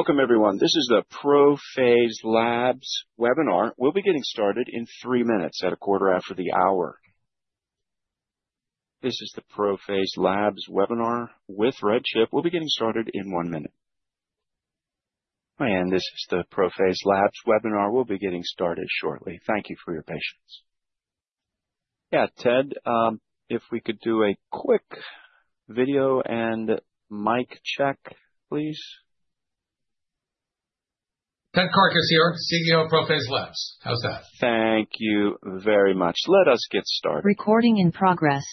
Welcome, everyone. This is the ProPhase Labs webinar. We'll be getting started in three minutes at a quarter after the hour. This is the ProPhase Labs webinar with RedChip. We'll be getting started in one minute. This is the ProPhase Labs webinar. We'll be getting started shortly. Thank you for your patience. Yeah, Ted, if we could do a quick video and mic check, please. Ted Karkus here, CEO of ProPhase Labs. How's that? Thank you very much. Let us get started. Recording in progress.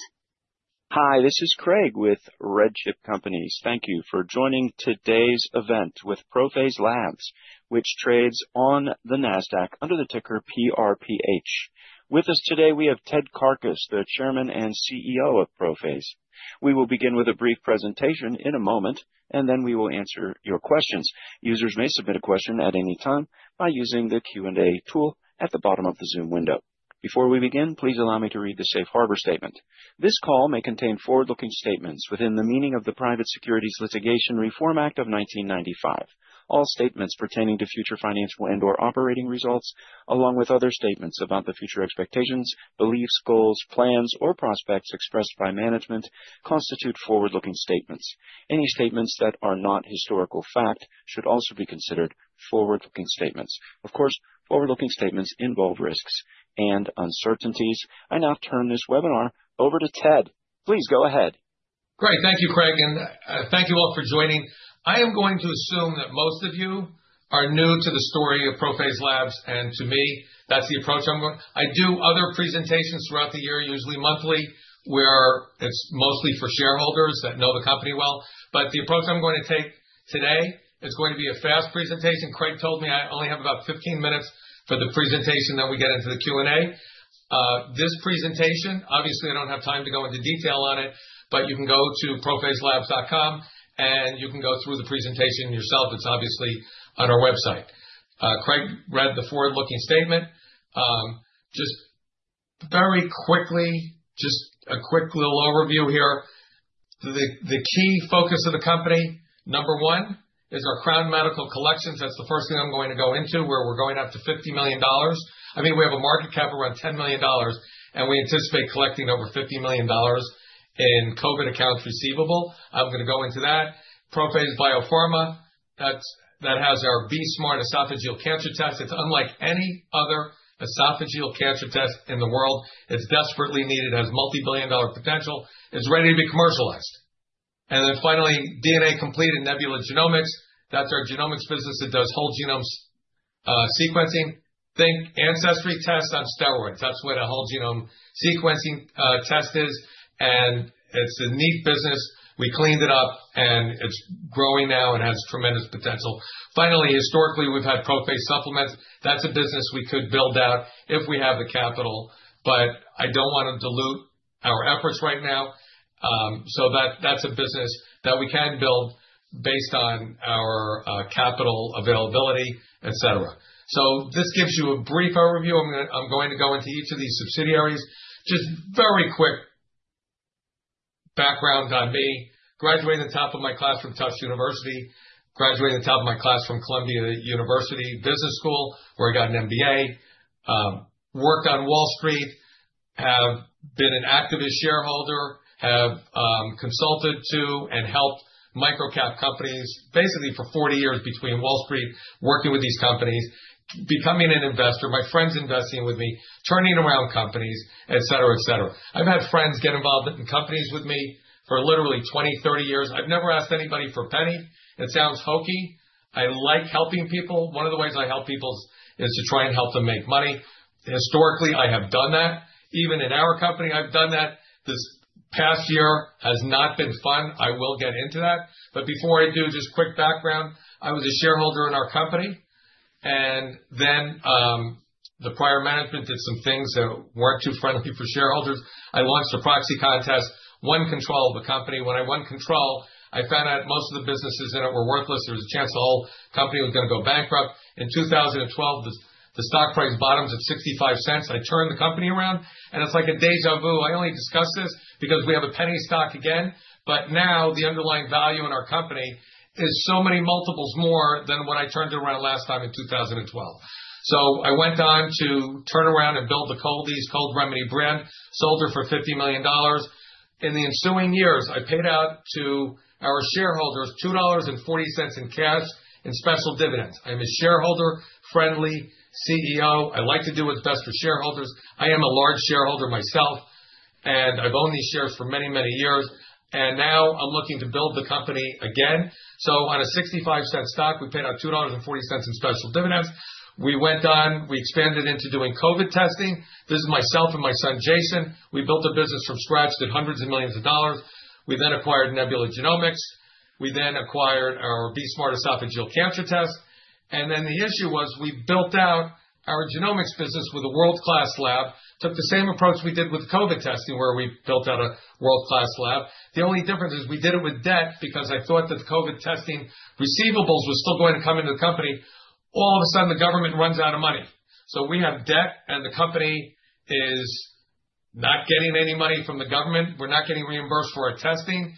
Hi, this is Craig with RedChip Companies. Thank you for joining today's event with ProPhase Labs, which trades on the Nasdaq under the ticker PRPH. With us today, we have Ted Karkus, the Chairman and CEO of ProPhase. We will begin with a brief presentation in a moment, and then we will answer your questions. Users may submit a question at any time by using the Q&A tool at the bottom of the Zoom window. Before we begin, please allow me to read the Safe Harbor Statement. This call may contain forward-looking statements within the meaning of the Private Securities Litigation Reform Act of 1995. All statements pertaining to future financial and/or operating results, along with other statements about the future expectations, beliefs, goals, plans, or prospects expressed by management, constitute forward-looking statements. Any statements that are not historical fact should also be considered forward-looking statements. Of course, forward-looking statements involve risks and uncertainties. I now turn this webinar over to Ted. Please go ahead. Great. Thank you, Craig, and thank you all for joining. I am going to assume that most of you are new to the story of ProPhase Labs and to me, that's the approach I'm going to. I do other presentations throughout the year, usually monthly, where it's mostly for shareholders that know the company well. The approach I'm going to take today, it's going to be a fast presentation. Craig told me I only have about 15 minutes for the presentation then we get into the Q&A. This presentation, obviously, I don't have time to go into detail on it, but you can go to prophaselabs.com and you can go through the presentation yourself. It's obviously on our website. Craig read the forward-looking statement. Just very quickly, just a quick little overview here. The key focus of the company, number one, is our Crown Medical Collections. That's the first thing I'm going to go into, where we're going up to $50 million. I mean, we have a market cap around $10 million, and we anticipate collecting over $50 million in COVID accounts receivable. I'm going to go into that. ProPhase BioPharma, that has our BE-Smart esophageal cancer test. It's unlike any other esophageal cancer test in the world. It's desperately needed. It has multi-billion dollar potential. It's ready to be commercialized. Finally, DNA Complete and Nebula Genomics. That's our genomics business that does whole genome sequencing. Think ancestry tests on steroids. That's what a whole genome sequencing test is. It's a neat business. We cleaned it up, and it's growing now and has tremendous potential. Finally, historically, we've had ProPhase supplements. That's a business we could build out if we have the capital, but I don't want to dilute our efforts right now. That's a business that we can build based on our capital availability, etc. This gives you a brief overview. I'm going to go into each of these subsidiaries. Just very quick background on me. Graduated the top of my class from Tufts University, graduated the top of my class from Columbia University Business School, where I got an MBA. Worked on Wall Street, have been an activist shareholder, have consulted to and helped microcap companies basically for 40 years between Wall Street, working with these companies, becoming an investor, my friends investing with me, turning around companies, etc., etc. I've had friends get involved in companies with me for literally 20, 30 years. I've never asked anybody for a penny. It sounds hokey. I like helping people. One of the ways I help people is to try and help them make money. Historically, I have done that. Even in our company, I've done that. This past year has not been fun. I will get into that. Before I do, just quick background. I was a shareholder in our company, and then the prior management did some things that were not too friendly for shareholders. I launched a proxy contest, won control of a company. When I won control, I found out most of the businesses in it were worthless. There was a chance the whole company was going to go bankrupt. In 2012, the stock price bottomed at $0.65. I turned the company around, and it is like a déjà vu. I only discuss this because we have a penny stock again, but now the underlying value in our company is so many multiples more than when I turned it around last time in 2012. I went on to turn around and build the Cold-EEZE Cold Remedy brand, sold it for $50 million. In the ensuing years, I paid out to our shareholders $2.40 in cash and special dividends. I'm a shareholder-friendly CEO. I like to do what's best for shareholders. I am a large shareholder myself, and I've owned these shares for many, many years. Now I'm looking to build the company again. On a 65-cent stock, we paid out $2.40 in special dividends. We went on, we expanded into doing COVID-19 testing. This is myself and my son, Jason. We built a business from scratch, did hundreds of millions of dollars. We then acquired Nebula Genomics. We then acquired our BE-Smart esophageal cancer test. The issue was we built out our genomics business with a world-class lab. Took the same approach we did with COVID-19 testing, where we built out a world-class lab. The only difference is we did it with debt because I thought that the COVID-19 testing receivables were still going to come into the company. All of a sudden, the government runs out of money. We have debt, and the company is not getting any money from the government. We're not getting reimbursed for our testing.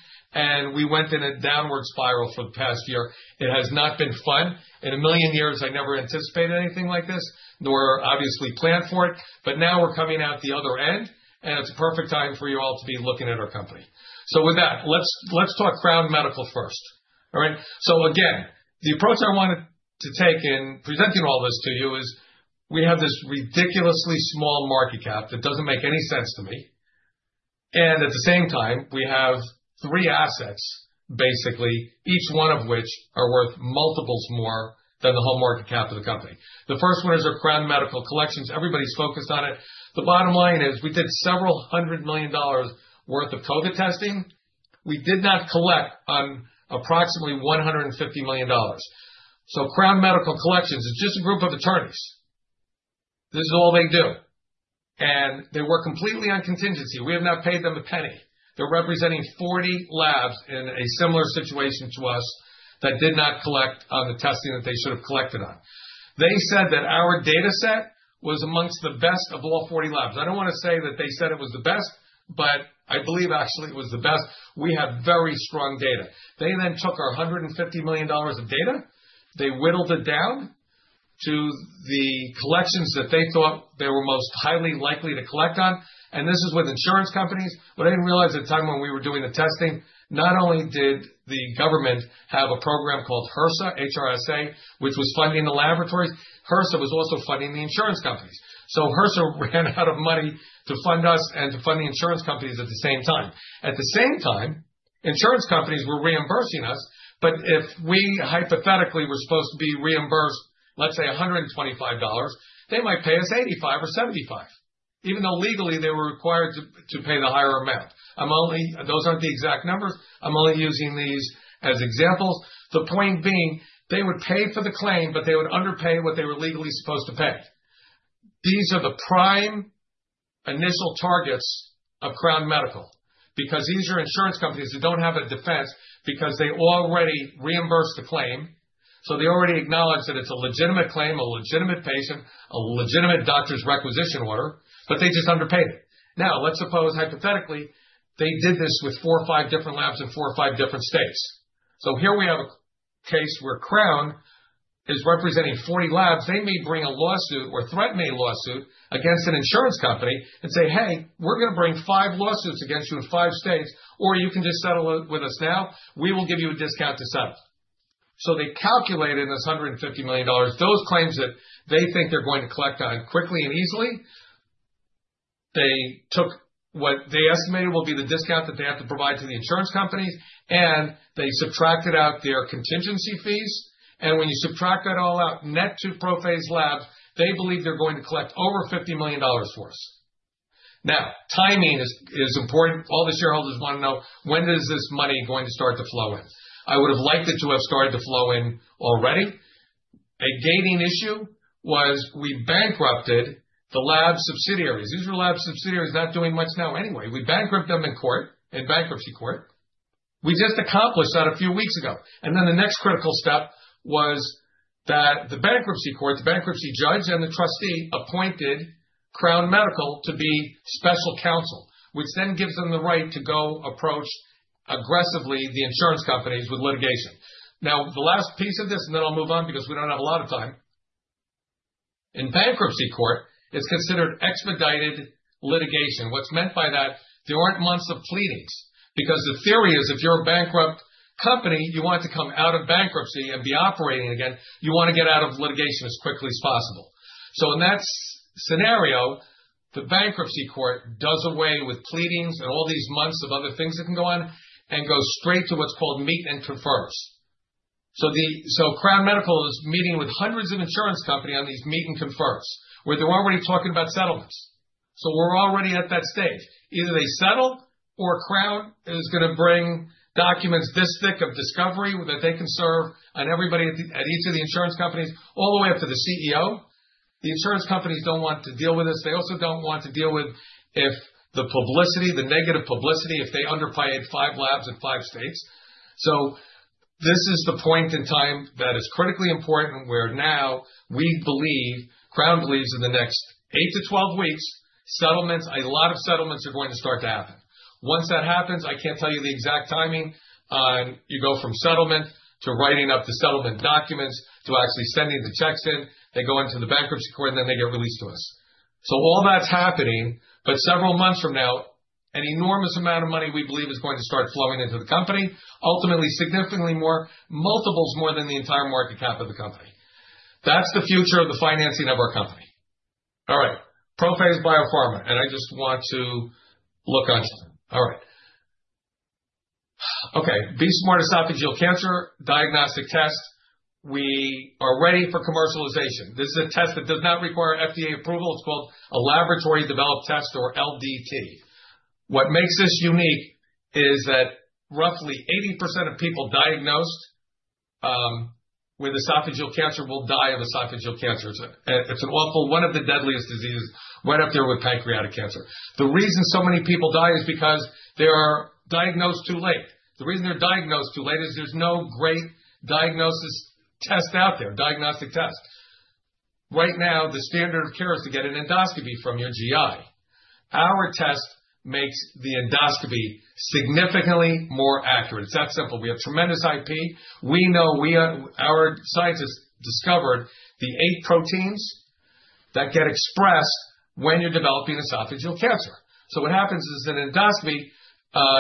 We went in a downward spiral for the past year. It has not been fun. In a million years, I never anticipated anything like this, nor obviously planned for it. Now we're coming out the other end, and it's a perfect time for you all to be looking at our company. With that, let's talk Crown Medical first. All right. Again, the approach I wanted to take in presenting all this to you is we have this ridiculously small market cap that does not make any sense to me. At the same time, we have three assets, basically, each one of which are worth multiples more than the whole market cap of the company. The first one is our Crown Medical Collections. Everybody is focused on it. The bottom line is we did several hundred million dollars' worth of COVID-19 testing. We did not collect on approximately $150 million. Crown Medical Collections is just a group of attorneys. This is all they do. They work completely on contingency. We have not paid them a penny. They are representing 40 labs in a similar situation to us that did not collect on the testing that they should have collected on. They said that our data set was amongst the best of all 40 labs. I do not want to say that they said it was the best, but I believe actually it was the best. We have very strong data. They then took our $150 million of data. They whittled it down to the collections that they thought they were most highly likely to collect on. This is with insurance companies. What I did not realize at the time when we were doing the testing, not only did the government have a program called HRSA, H-R-S-A, which was funding the laboratories, HRSA was also funding the insurance companies. HRSA ran out of money to fund us and to fund the insurance companies at the same time. At the same time, insurance companies were reimbursing us, but if we hypothetically were supposed to be reimbursed, let's say $125, they might pay us $85 or $75, even though legally they were required to pay the higher amount. Those aren't the exact numbers. I'm only using these as examples. The point being, they would pay for the claim, but they would underpay what they were legally supposed to pay. These are the prime initial targets of Crown Medical because these are insurance companies that don't have a defense because they already reimbursed the claim. They already acknowledge that it's a legitimate claim, a legitimate patient, a legitimate doctor's requisition order, but they just underpaid it. Now, let's suppose hypothetically they did this with four or five different labs in four or five different states. Here we have a case where Crown is representing 40 labs. They may bring a lawsuit or threaten a lawsuit against an insurance company and say, "Hey, we're going to bring five lawsuits against you in five states, or you can just settle it with us now. We will give you a discount to settle." They calculated in this $150 million, those claims that they think they're going to collect on quickly and easily. They took what they estimated will be the discount that they have to provide to the insurance companies, and they subtracted out their contingency fees. When you subtract that all out net to ProPhase Labs, they believe they're going to collect over $50 million for us. Now, timing is important. All the shareholders want to know when is this money going to start to flow in. I would have liked it to have started to flow in already. A gating issue was we bankrupted the lab subsidiaries. These were lab subsidiaries not doing much now anyway. We bankrupt them in court, in bankruptcy court. We just accomplished that a few weeks ago. The next critical step was that the bankruptcy court, the bankruptcy judge and the trustee appointed Crown Medical to be special counsel, which then gives them the right to go approach aggressively the insurance companies with litigation. Now, the last piece of this, and then I'll move on because we don't have a lot of time. In bankruptcy court, it's considered expedited litigation. What's meant by that, there aren't months of pleadings because the theory is if you're a bankrupt company, you want to come out of bankruptcy and be operating again. You want to get out of litigation as quickly as possible. In that scenario, the bankruptcy court does away with pleadings and all these months of other things that can go on and goes straight to what's called meet and confers. Crown Medical is meeting with hundreds of insurance companies on these meet and confers, where they're already talking about settlements. We're already at that stage. Either they settle or Crown is going to bring documents this thick of discovery that they can serve on everybody at each of the insurance companies, all the way up to the CEO. The insurance companies don't want to deal with this. They also don't want to deal with the publicity, the negative publicity, if they underpay five labs in five states. This is the point in time that is critically important where now we believe, Crown Medical believes in the next 8-12 weeks, settlements, a lot of settlements are going to start to happen. Once that happens, I can't tell you the exact timing on you go from settlement to writing up the settlement documents to actually sending the checks in. They go into the bankruptcy court and then they get released to us. All that's happening, but several months from now, an enormous amount of money we believe is going to start flowing into the company, ultimately significantly more, multiples more than the entire market cap of the company. That's the future of the financing of our company. All right. ProPhase BioPharma, and I just want to look onto them. All right. Okay. BE-Smart esophageal cancer diagnostic test. We are ready for commercialization. This is a test that does not require FDA approval. It's called a laboratory developed test or LDT. What makes this unique is that roughly 80% of people diagnosed with esophageal cancer will die of esophageal cancer. It's an awful, one of the deadliest diseases right up there with pancreatic cancer. The reason so many people die is because they are diagnosed too late. The reason they're diagnosed too late is there's no great diagnostic test out there. Right now, the standard of care is to get an endoscopy from your GI. Our test makes the endoscopy significantly more accurate. It's that simple. We have tremendous IP. We know our scientists discovered the eight proteins that get expressed when you're developing esophageal cancer. What happens is in endoscopy,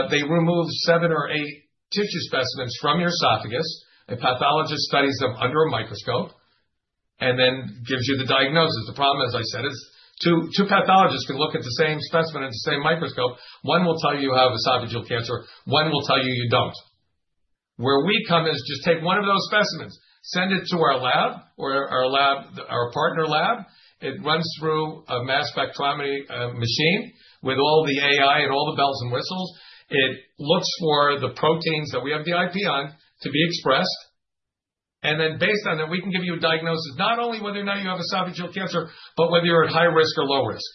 they remove seven or eight tissue specimens from your esophagus. A pathologist studies them under a microscope and then gives you the diagnosis. The problem, as I said, is two pathologists can look at the same specimen in the same microscope. One will tell you you have esophageal cancer. One will tell you you don't. Where we come is just take one of those specimens, send it to our lab or our partner lab. It runs through a mass spectrometry machine with all the AI and all the bells and whistles. It looks for the proteins that we have the IP on to be expressed. Based on that, we can give you a diagnosis, not only whether or not you have esophageal cancer, but whether you're at high risk or low risk.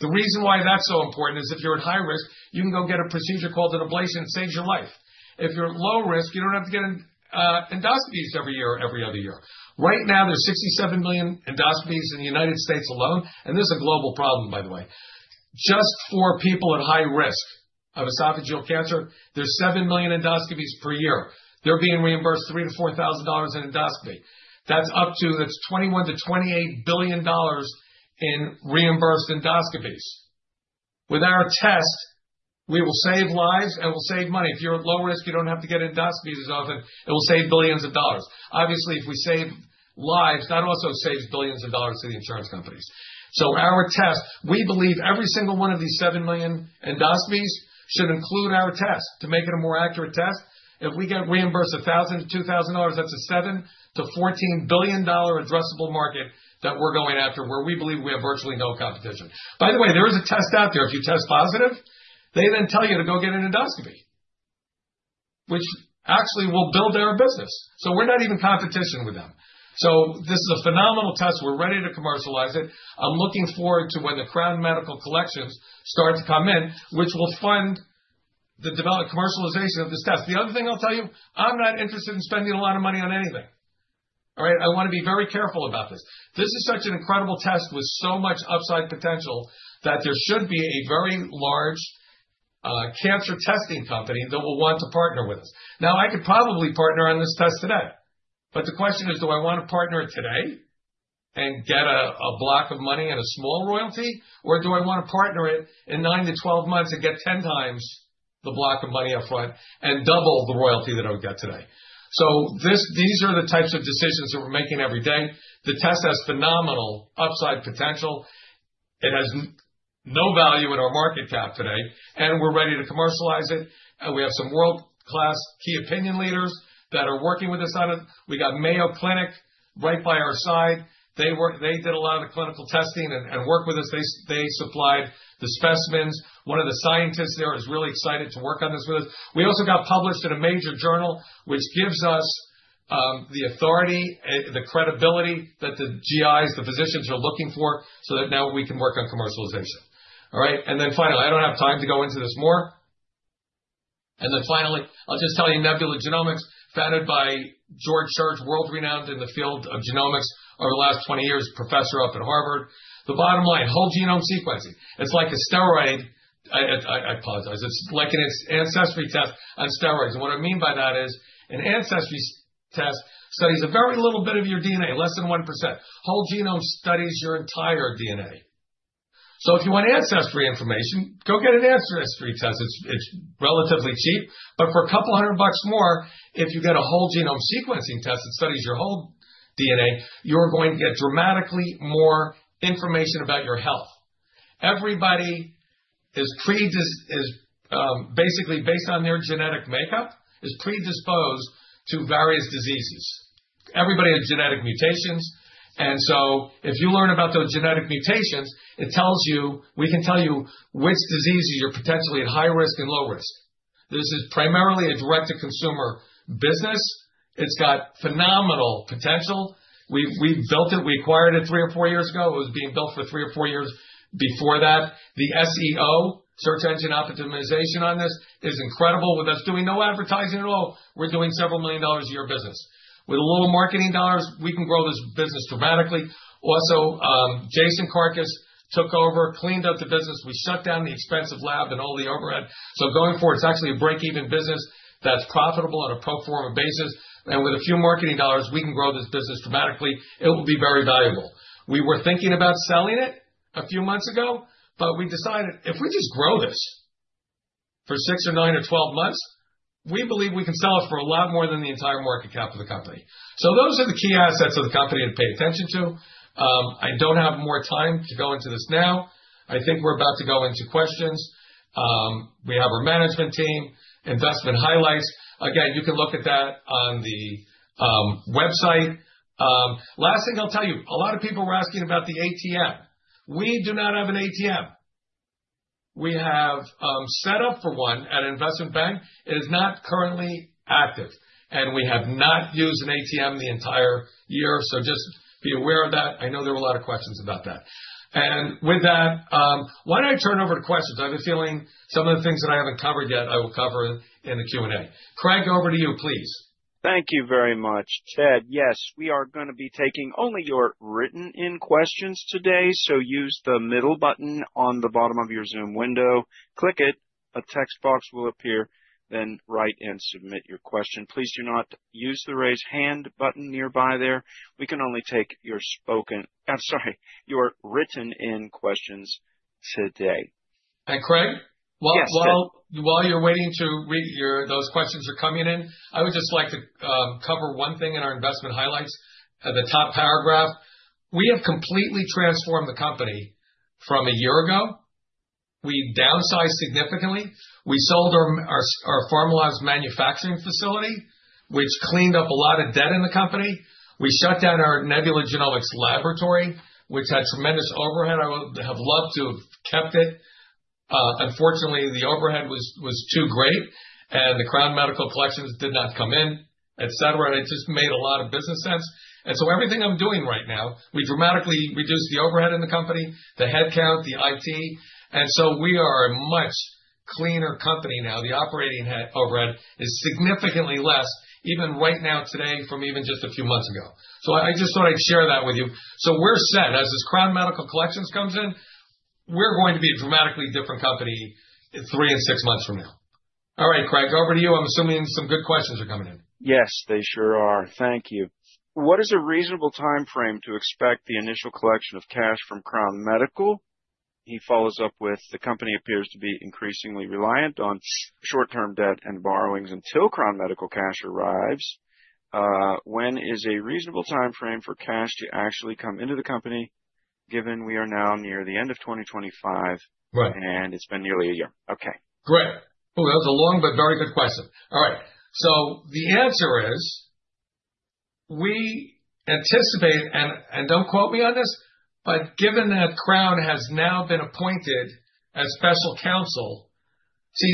The reason why that's so important is if you're at high risk, you can go get a procedure called an ablation that saves your life. If you're at low risk, you don't have to get endoscopies every year or every other year. Right now, there's 67 million endoscopies in the United States alone, and this is a global problem, by the way. Just for people at high risk of esophageal cancer, there's 7 million endoscopies per year. They're being reimbursed $3,000-$4,000 in endoscopy. That's up to, that's $21 billion-$28 billion in reimbursed endoscopies. With our test, we will save lives and we'll save money. If you're at low risk, you don't have to get endoscopies as often. It will save billions of dollars. Obviously, if we save lives, that also saves billions of dollars to the insurance companies. So our test, we believe every single one of these 7 million endoscopies should include our test to make it a more accurate test. If we get reimbursed $1,000-$2,000, that's a $7 billion-$14 billion addressable market that we're going after, where we believe we have virtually no competition. By the way, there is a test out there. If you test positive, they then tell you to go get an endoscopy, which actually will build our business. We are not even competition with them. This is a phenomenal test. We're ready to commercialize it. I'm looking forward to when the Crown Medical Collections start to come in, which will fund the commercialization of this test. The other thing I'll tell you, I'm not interested in spending a lot of money on anything. I want to be very careful about this. This is such an incredible test with so much upside potential that there should be a very large cancer testing company that will want to partner with us. Now, I could probably partner on this test today, but the question is, do I want to partner it today and get a block of money and a small royalty, or do I want to partner it in 9 to 12 months and get 10 times the block of money upfront and double the royalty that I would get today? These are the types of decisions that we're making every day. The test has phenomenal upside potential. It has no value in our market cap today, and we're ready to commercialize it. We have some world-class key opinion leaders that are working with us on it. We got Mayo Clinic right by our side. They did a lot of the clinical testing and worked with us. They supplied the specimens. One of the scientists there is really excited to work on this with us. We also got published in a major journal, which gives us the authority and the credibility that the GIs, the physicians are looking for, so that now we can work on commercialization. All right. Finally, I do not have time to go into this more. Finally, I will just tell you Nebula Genomics, founded by George Church, world-renowned in the field of genomics over the last 20 years, professor up at Harvard. The bottom line, whole genome sequencing. It is like a steroid. I apologize. It is like an ancestry test on steroids. What I mean by that is an ancestry test studies a very little bit of your DNA, less than 1%. Whole genome studies your entire DNA. If you want ancestry information, go get an ancestry test. It's relatively cheap, but for a couple hundred bucks more, if you get a whole genome sequencing test that studies your whole DNA, you're going to get dramatically more information about your health. Everybody is basically based on their genetic makeup, is predisposed to various diseases. Everybody has genetic mutations. If you learn about those genetic mutations, it tells you, we can tell you which diseases you're potentially at high risk and low risk. This is primarily a direct-to-consumer business. It's got phenomenal potential. We built it. We acquired it three or four years ago. It was being built for three or four years before that. The SEO, search engine optimization on this, is incredible with us doing no advertising at all. We're doing several million dollars a year of business. With a little marketing dollars, we can grow this business dramatically. Also, Jason Karkus took over, cleaned up the business. We shut down the expensive lab and all the overhead. Going forward, it's actually a break-even business that's profitable on a pro forma basis. With a few marketing dollars, we can grow this business dramatically. It will be very valuable. We were thinking about selling it a few months ago, but we decided if we just grow this for 6 or 9 or 12 months, we believe we can sell it for a lot more than the entire market cap of the company. Those are the key assets of the company to pay attention to. I don't have more time to go into this now. I think we're about to go into questions. We have our management team, investment highlights. Again, you can look at that on the website. Last thing I'll tell you, a lot of people were asking about the ATM. We do not have an ATM. We have set up for one at Investment Bank. It is not currently active, and we have not used an ATM the entire year. Just be aware of that. I know there were a lot of questions about that. With that, why don't I turn over to questions? I have a feeling some of the things that I haven't covered yet, I will cover in the Q&A. Craig, over to you, please. Thank you very much, Ted. Yes, we are going to be taking only your written-in questions today. Use the middle button on the bottom of your Zoom window. Click it. A text box will appear. Write and submit your question. Please do not use the raise hand button nearby there. We can only take your spoken, sorry, your written-in questions today. Hi, Craig. While you're waiting to read those questions are coming in, I would just like to cover one thing in our investment highlights at the top paragraph. We have completely transformed the company from a year ago. We downsized significantly. We sold our Pharmaloz Manufacturing facility, which cleaned up a lot of debt in the company. We shut down our Nebula Genomics Laboratory, which had tremendous overhead. I would have loved to have kept it. Unfortunately, the overhead was too great, and the Crown Medical Collections did not come in, etc. It just made a lot of business sense. Everything I'm doing right now, we dramatically reduced the overhead in the company, the headcount, the IT. We are a much cleaner company now. The operating overhead is significantly less, even right now today from even just a few months ago. I just thought I'd share that with you. We're set. As this Crown Medical Collections comes in, we're going to be a dramatically different company three and six months from now. All right, Craig, over to you. I'm assuming some good questions are coming in. Yes, they sure are. Thank you. What is a reasonable timeframe to expect the initial collection of cash from Crown Medical? He follows up with the company appears to be increasingly reliant on short-term debt and borrowings until Crown Medical cash arrives. When is a reasonable timeframe for cash to actually come into the company, given we are now near the end of 2025 and it's been nearly a year? Great. Oh, that was a long but very good question. All right. The answer is we anticipate, and don't quote me on this, but given that Crown Medical has now been appointed as special counsel, see,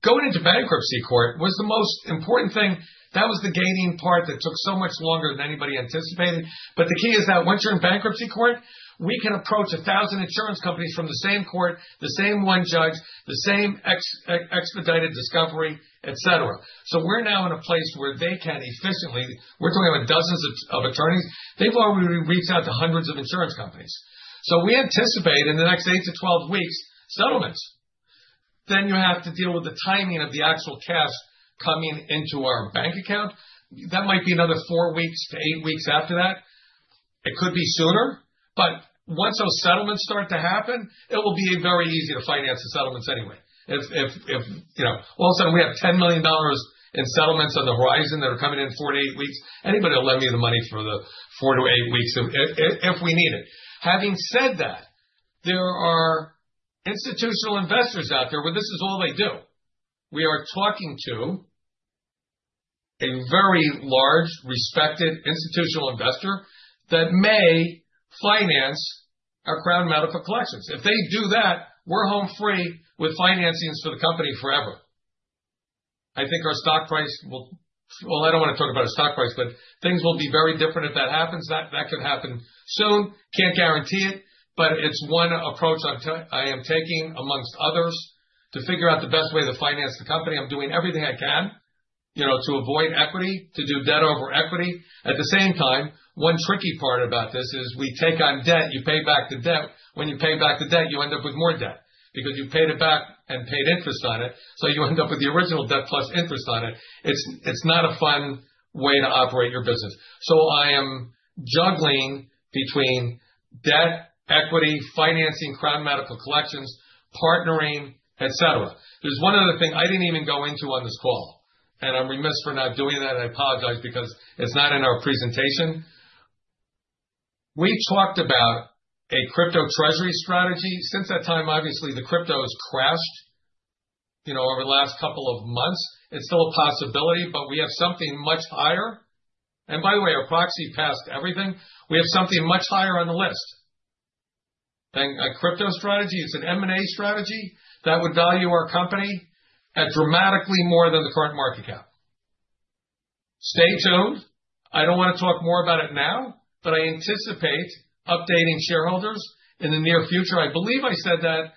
going into bankruptcy court was the most important thing. That was the gating part that took so much longer than anybody anticipated. The key is that once you're in bankruptcy court, we can approach a thousand insurance companies from the same court, the same one judge, the same expedited discovery, etc. We are now in a place where they can efficiently, we're talking about dozens of attorneys. They've already reached out to hundreds of insurance companies. We anticipate in the next 8-12 weeks, settlements. You have to deal with the timing of the actual cash coming into our bank account. That might be another four weeks to eight weeks after that. It could be sooner, but once those settlements start to happen, it will be very easy to finance the settlements anyway. If, you know, all of a sudden we have $10 million in settlements on the horizon that are coming in four to eight weeks, anybody will lend me the money for the four to eight weeks if we need it. Having said that, there are institutional investors out there where this is all they do. We are talking to a very large, respected institutional investor that may finance our Crown Medical Collections. If they do that, we're home free with financings for the company forever. I think our stock price will, well, I don't want to talk about a stock price, but things will be very different if that happens. That could happen soon. Can't guarantee it, but it's one approach I am taking amongst others to figure out the best way to finance the company. I'm doing everything I can, you know, to avoid equity, to do debt over equity. At the same time, one tricky part about this is we take on debt. You pay back the debt. When you pay back the debt, you end up with more debt because you paid it back and paid interest on it. You end up with the original debt plus interest on it. It's not a fun way to operate your business. I am juggling between debt, equity, financing, Crown Medical Collections, partnering, etc. There's one other thing I didn't even go into on this call, and I'm remiss for not doing that. I apologize because it's not in our presentation. We talked about a crypto treasury strategy. Since that time, obviously, the cryptos crashed, you know, over the last couple of months. It's still a possibility, but we have something much higher. By the way, our proxy passed everything. We have something much higher on the list. A crypto strategy, it's an M&A strategy that would value our company at dramatically more than the current market cap. Stay tuned. I don't want to talk more about it now, but I anticipate updating shareholders in the near future. I believe I said that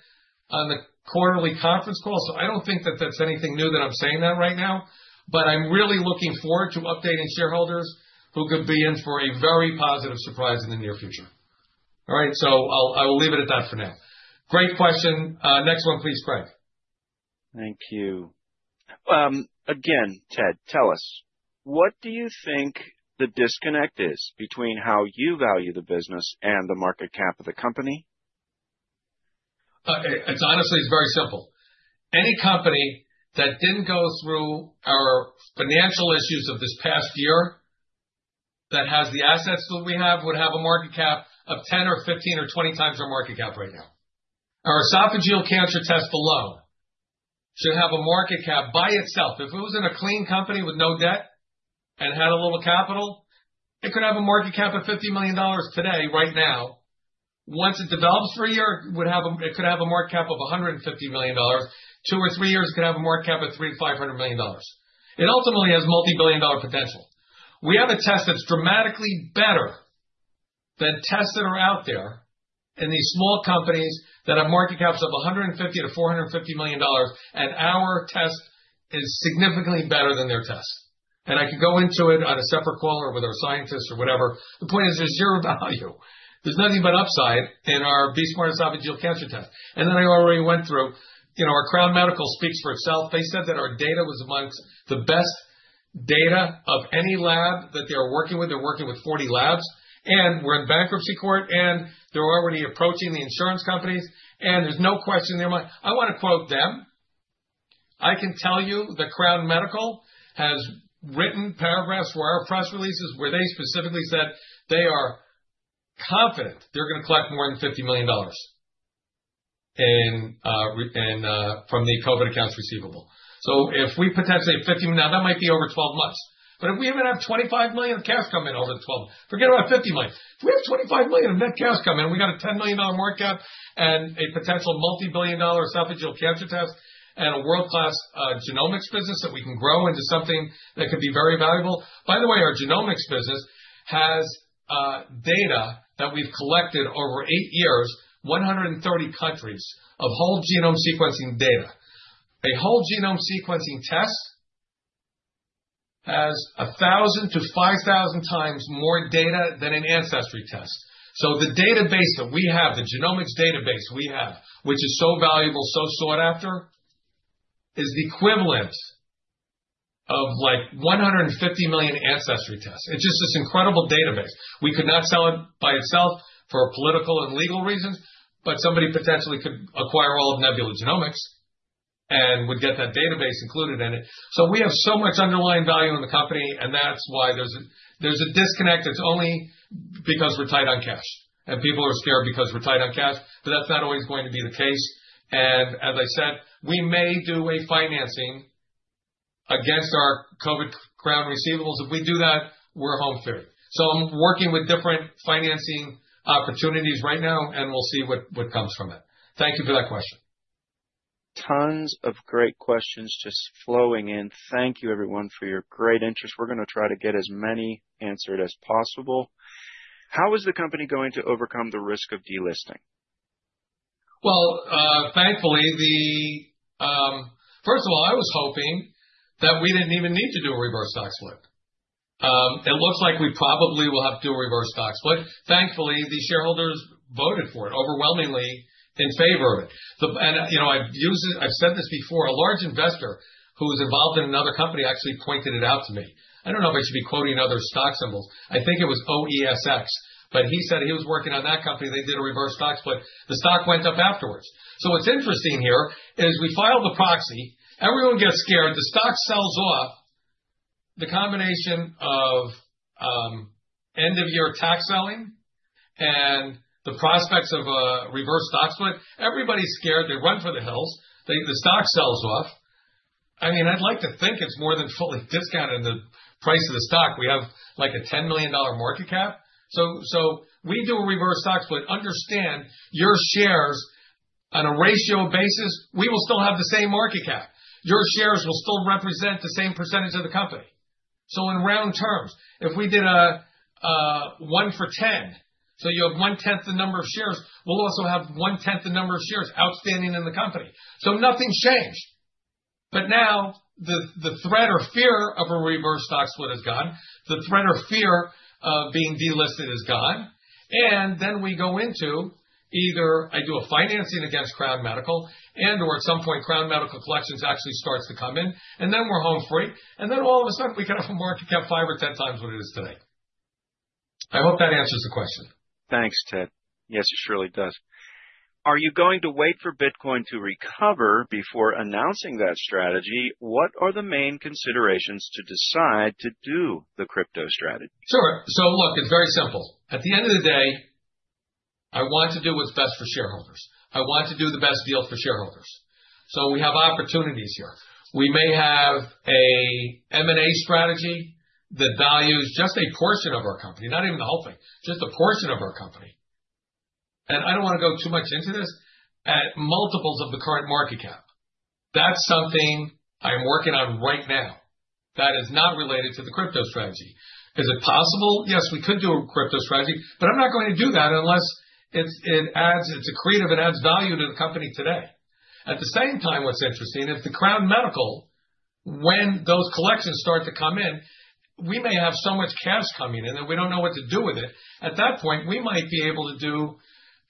on the quarterly conference call, so I don't think that that's anything new that I'm saying right now, but I'm really looking forward to updating shareholders who could be in for a very positive surprise in the near future. All right. I will leave it at that for now. Great question. Next one, please, Craig. Thank you. Again, Ted, tell us, what do you think the disconnect is between how you value the business and the market cap of the company? It's honestly, it's very simple. Any company that didn't go through our financial issues of this past year that has the assets that we have would have a market cap of 10 or 15 or 20 times our market cap right now. Our esophageal cancer test alone should have a market cap by itself. If it was in a clean company with no debt and had a little capital, it could have a market cap of $50 million today, right now. Once it develops for a year, it could have a market cap of $150 million. Two or three years, it could have a market cap of $300-$500 million. It ultimately has multi-billion dollar potential. We have a test that's dramatically better than tests that are out there in these small companies that have market caps of $150-$450 million, and our test is significantly better than their test. I could go into it on a separate call or with our scientists or whatever. The point is there's zero value. There's nothing but upside in our BE-Smart esophageal cancer test. I already went through, you know, our Crown Medical speaks for itself. They said that our data was amongst the best data of any lab that they're working with. They're working with 40 labs, and we're in bankruptcy court, and they're already approaching the insurance companies, and there's no question in their mind. I want to quote them. I can tell you that Crown Medical has written paragraphs for our press releases where they specifically said they are confident they're going to collect more than $50 million from the COVID-19 accounts receivable. If we potentially have $50 million, that might be over 12 months, but if we even have $25 million of cash come in over the 12 months, forget about $50 million. If we have $25 million of net cash come in, we got a $10 million market cap and a potential multi-billion dollar esophageal cancer test and a world-class genomics business that we can grow into something that could be very valuable. By the way, our genomics business has data that we've collected over eight years, 130 countries of whole genome sequencing data. A whole genome sequencing test has 1,000-5,000 times more data than an ancestry test. The database that we have, the genomics database we have, which is so valuable, so sought after, is the equivalent of like 150 million ancestry tests. It is just this incredible database. We could not sell it by itself for political and legal reasons, but somebody potentially could acquire all of Nebula Genomics and would get that database included in it. We have so much underlying value in the company, and that is why there is a disconnect. It is only because we are tight on cash, and people are scared because we are tight on cash, but that is not always going to be the case. As I said, we may do a financing against our COVID crown receivables. If we do that, we are home fiery. I am working with different financing opportunities right now, and we will see what comes from it. Thank you for that question. Tons of great questions just flowing in. Thank you, everyone, for your great interest. We're going to try to get as many answered as possible. How is the company going to overcome the risk of delisting? Thankfully, first of all, I was hoping that we didn't even need to do a reverse stock split. It looks like we probably will have to do a reverse stock split. Thankfully, the shareholders voted for it overwhelmingly in favor of it. You know, I've said this before, a large investor who was involved in another company actually pointed it out to me. I don't know if I should be quoting other stock symbols. I think it was OESX, but he said he was working on that company. They did a reverse stock split. The stock went up afterwards. What's interesting here is we filed the proxy. Everyone gets scared. The stock sells off. The combination of end-of-year tax selling and the prospects of a reverse stock split, everybody's scared. They run for the hills. The stock sells off. I mean, I'd like to think it's more than fully discounted in the price of the stock. We have like a $10 million market cap. We do a reverse stock split. Understand your shares on a ratio basis, we will still have the same market cap. Your shares will still represent the same percentage of the company. In round terms, if we did a one for ten, you have one tenth the number of shares, we will also have one tenth the number of shares outstanding in the company. Nothing's changed. Now the threat or fear of a reverse stock split is gone. The threat or fear of being delisted is gone. Then we go into either I do a financing against Crown Medical, and/or at some point Crown Medical Collections actually starts to come in, and then we're home free. All of a sudden we could have a market cap five or ten times what it is today. I hope that answers the question. Thanks, Ted. Yes, it surely does. Are you going to wait for Bitcoin to recover before announcing that strategy? What are the main considerations to decide to do the crypto strategy? Sure. It is very simple. At the end of the day, I want to do what's best for shareholders. I want to do the best deal for shareholders. We have opportunities here. We may have an M&A strategy that values just a portion of our company, not even the whole thing, just a portion of our company. I do not want to go too much into this, at multiples of the current market cap. That is something I am working on right now that is not related to the crypto strategy. Is it possible? Yes, we could do a crypto strategy, but I am not going to do that unless it adds, it is accretive, it adds value to the company today. At the same time, what is interesting is the Crown Medical, when those collections start to come in, we may have so much cash coming in that we do not know what to do with it. At that point, we might be able to do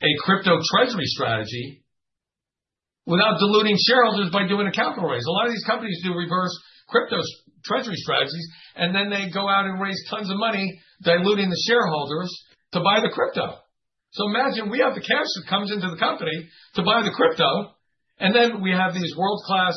a crypto treasury strategy without diluting shareholders by doing a capital raise. A lot of these companies do reverse crypto treasury strategies, and then they go out and raise tons of money diluting the shareholders to buy the crypto. Imagine we have the cash that comes into the company to buy the crypto, and then we have these world-class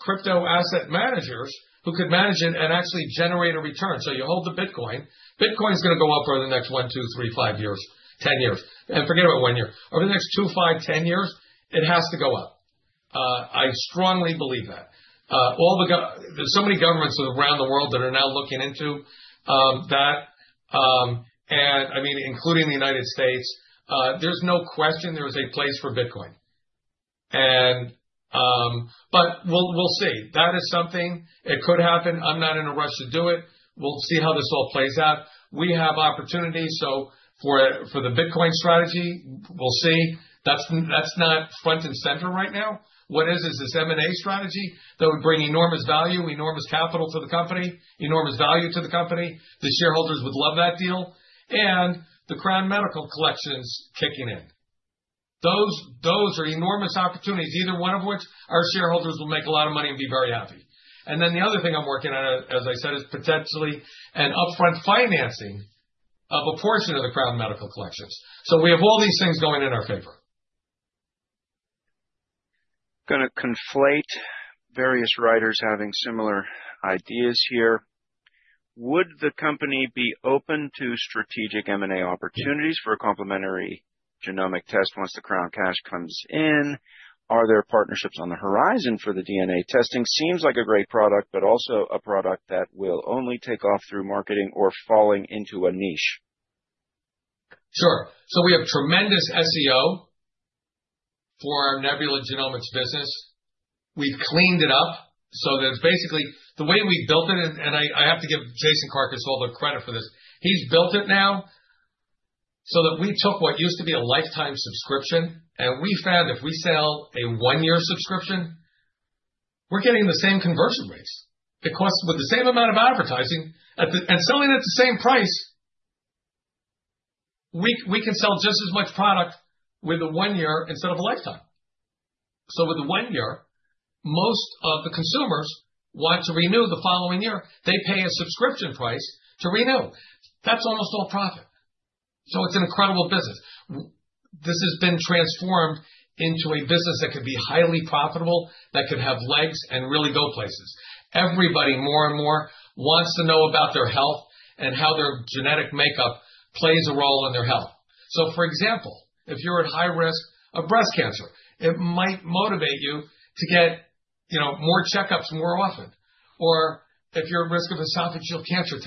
crypto asset managers who could manage it and actually generate a return. You hold the Bitcoin. Bitcoin is going to go up over the next one, two, three, five years, ten years. Forget about one year. Over the next two, five, ten years, it has to go up. I strongly believe that. So many governments around the world that are now looking into that, and I mean, including the U.S., there is no question there is a place for Bitcoin. We will see. That is something that could happen. I am not in a rush to do it. We will see how this all plays out. We have opportunities. For the Bitcoin strategy, we will see. That is not front and center right now. What is, is this M&A strategy that would bring enormous value, enormous capital to the company, enormous value to the company. The shareholders would love that deal. The Crown Medical Collections kicking in. Those are enormous opportunities, either one of which our shareholders will make a lot of money and be very happy. The other thing I'm working on, as I said, is potentially an upfront financing of a portion of the Crown Medical Collections. We have all these things going in our favor. Going to conflate various writers having similar ideas here. Would the company be open to strategic M&A opportunities for a complementary genomic test once the Crown cash comes in? Are there partnerships on the horizon for the DNA testing? Seems like a great product, but also a product that will only take off through marketing or falling into a niche. Sure. We have tremendous SEO for our Nebula Genomics business. We've cleaned it up so that it's basically the way we built it, and I have to give Jason Karkus all the credit for this. He's built it now so that we took what used to be a lifetime subscription, and we found if we sell a one-year subscription, we're getting the same conversion rates. It costs with the same amount of advertising and selling at the same price, we can sell just as much product with a one-year instead of a lifetime. With a one-year, most of the consumers want to renew the following year. They pay a subscription price to renew. That's almost all profit. It's an incredible business. This has been transformed into a business that could be highly profitable, that could have legs and really go places. Everybody more and more wants to know about their health and how their genetic makeup plays a role in their health. For example, if you're at high risk of breast cancer, it might motivate you to get more checkups more often. Or if you're at risk of esophageal cancer,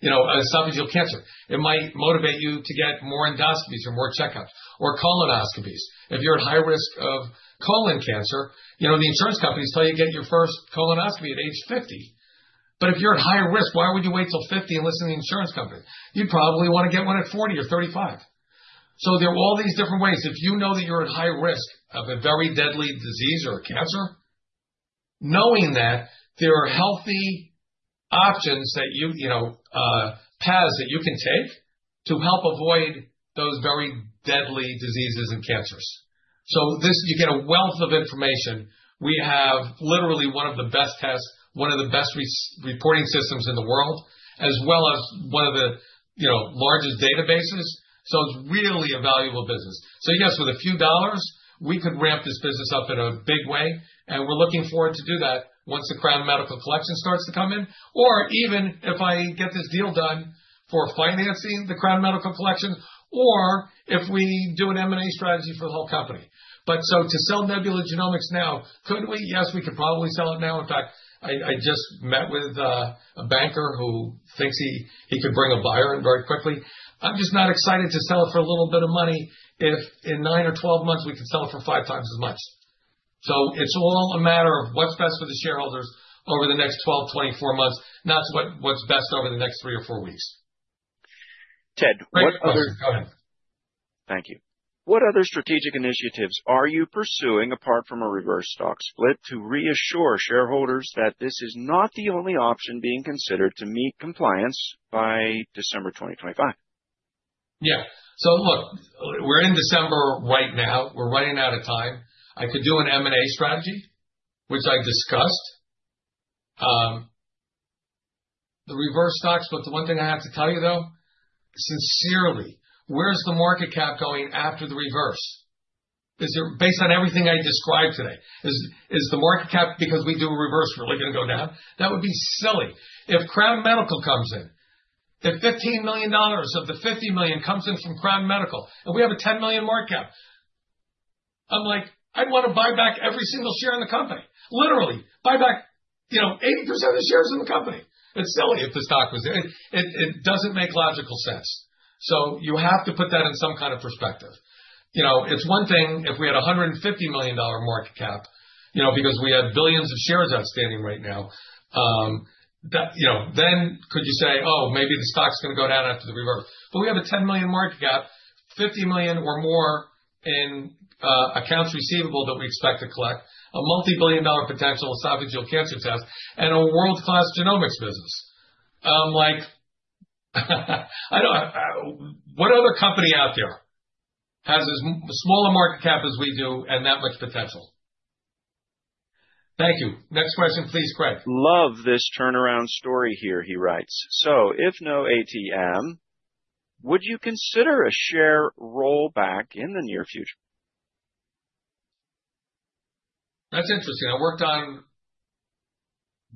you know, esophageal cancer, it might motivate you to get more endoscopies or more checkups or colonoscopies. If you're at high risk of colon cancer, you know, the insurance companies tell you get your first colonoscopy at age 50. If you're at high risk, why would you wait till 50 and listen to the insurance company? You'd probably want to get one at 40 or 35. There are all these different ways. If you know that you're at high risk of a very deadly disease or a cancer, knowing that there are healthy options that you, you know, paths that you can take to help avoid those very deadly diseases and cancers. You get a wealth of information. We have literally one of the best tests, one of the best reporting systems in the world, as well as one of the, you know, largest databases. It is really a valuable business. Yes, with a few dollars, we could ramp this business up in a big way, and we're looking forward to do that once the Crown Medical Collection starts to come in, or even if I get this deal done for financing the Crown Medical Collection, or if we do an M&A strategy for the whole company. To sell Nebula Genomics now, could we? Yes, we could probably sell it now. In fact, I just met with a banker who thinks he could bring a buyer in very quickly. I'm just not excited to sell it for a little bit of money if in nine or twelve months we can sell it for five times as much. It is all a matter of what is best for the shareholders over the next twelve, twenty-four months, not what is best over the next three or four weeks. Ted, what other—go ahead. Thank you. What other strategic initiatives are you pursuing apart from a reverse stock split to reassure shareholders that this is not the only option being considered to meet compliance by December 2025? Yeah. Look, we are in December right now. We are running out of time. I could do an M&A strategy, which I discussed, the reverse stock split. The one thing I have to tell you, though, sincerely, where's the market cap going after the reverse? Based on everything I described today, is the market cap, because we do a reverse, really going to go down? That would be silly. If Crown Medical comes in, if $15 million of the $50 million comes in from Crown Medical and we have a $10 million market cap, I'm like, I'd want to buy back every single share in the company. Literally, buy back, you know, 80% of the shares in the company. It's silly if the stock was there. It doesn't make logical sense. You have to put that in some kind of perspective. You know, it's one thing if we had a $150 million market cap, you know, because we have billions of shares outstanding right now. You know, then could you say, oh, maybe the stock's going to go down after the reverse? We have a $10 million market cap, $50 million or more in accounts receivable that we expect to collect, a multi-billion dollar potential esophageal cancer test, and a world-class genomics business. I'm like, what other company out there has as small a market cap as we do and that much potential? Thank you. Next question, please, Craig. Love this turnaround story here, he writes. If no ATM, would you consider a share rollback in the near future? That's interesting. I worked on